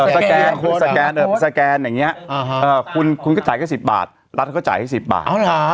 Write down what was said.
แสดงโศกรับอย่างงี้คุณก็จ่าย๒๐บาทรัฐก็จ่ายให้๑๐บาท